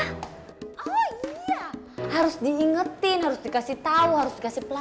oh iya harus diingetin harus dikasih tahu harus dikasih pelajaran